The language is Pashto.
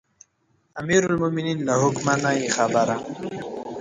امیرالمؤمنین له حکمه نه یې خبره.